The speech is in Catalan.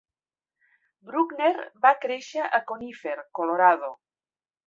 Bruckner va créixer a Conifer, Colorado.